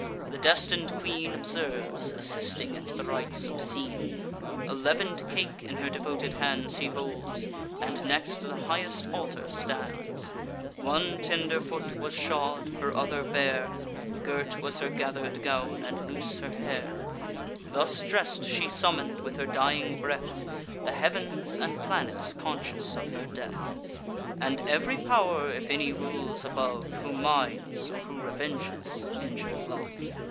The destin'd queen Observes, assisting at the rites obscene; A leaven'd cake in her devoted hands She holds, and next the highest altar stands: One tender foot was shod, her other bare; Girt was her gather'd gown, and loose her hair. Thus dress'd, she summon'd, with her dying breath, The heav'ns and planets conscious of her death, And ev'ry pow'r, if any rules above, Who minds, or who revenges, injur'd love.